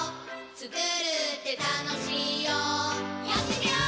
つくるってたのしいよやってみよー！